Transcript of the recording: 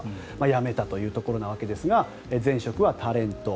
辞めたというところなわけですが前職はタレント。